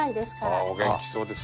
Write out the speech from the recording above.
ああお元気そうです。